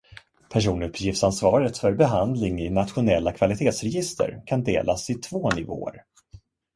Personuppgiftsansvaret för behandling i nationella kvalitetsregister kan delas i två nivåer.